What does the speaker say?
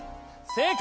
正解！